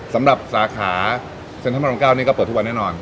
สำหรับสาขาเซนเทิร์น๑๕๙นี่ก็เปิดทุกวันแน่นอน